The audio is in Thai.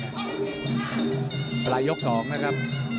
ตลายยกสองนะครับ